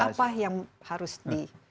apa yang harus diubah